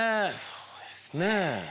そうですね。